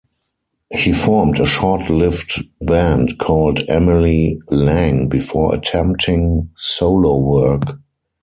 He formed a short-lived band called Emily Lang before attempting solo work.